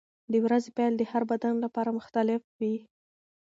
د ورځې پیل د هر بدن لپاره مختلف وي.